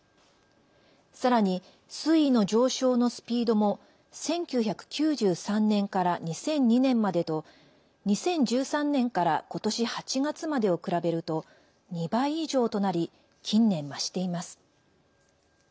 さらに水位の上昇のスピードも１９９３年から２００２年までと２０１３年から今年８月までを比べると２倍以上となり近年、増しています。